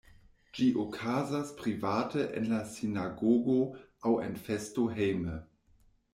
Ĝi okazas private en la sinagogo aŭ en festo hejme.